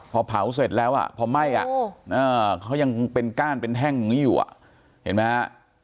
พอเผาเสร็จแล้วอ่ะพอไหม้อ่ะเขายังเป็นก้านเป็นแห้งอยู่อ่ะเห็นมั้ยฮะ